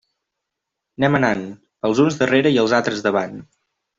Anem anant, els uns darrere i els altres davant.